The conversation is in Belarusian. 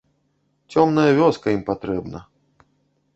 Цёмная вёска ім патрэбна.